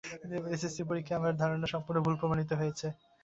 কিন্তু এবার এসএসসি পরীক্ষায় আমার সে ধারণা সম্পূর্ণ ভুল প্রমাণিত হয়েছে।